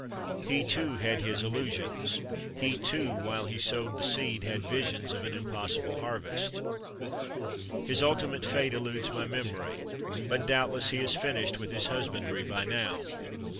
He, too, had his illu sions ; he, too, while he sowed the seed had THE BOY IN THE GARDEN 129 visions of an impossible harvest. His ulti mate fate eludes my memory, but doubtless he has finished with his husbandry by now.